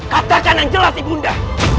katakan yang jelas ibu nda